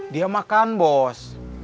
dia makan bos